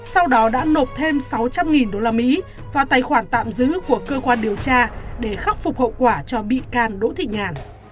sau đó đã nộp thêm sáu trăm linh usd vào tài khoản tạm giữ của cơ quan điều tra để khắc phục hậu quả cho bị can đỗ thị nhàn